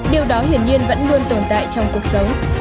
điều đó hiển nhiên vẫn luôn tồn tại trong cuộc sống